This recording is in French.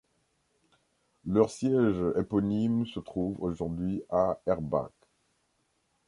Leur siège éponyme se trouve aujourd'hui à Erbach.